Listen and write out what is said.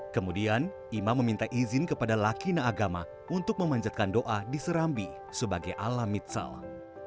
kemudian imam meminta izin kepada lakina agama untuk memanjatkan doa di serambi sebagai alam midsalah